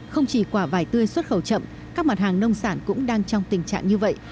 không chỉ quả vải tươi xuất khẩu chậm các mặt hàng nông sản cũng đang trong tình trạng như vậy